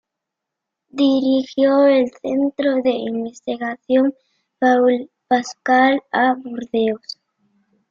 Dirigió el centro de investigación Paul Pascal a Burdeos.